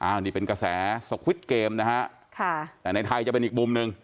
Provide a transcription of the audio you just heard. อันนี้เป็นกระแสสวิตเกมนะฮะค่ะแต่ในไทยจะเป็นอีกมุมหนึ่ง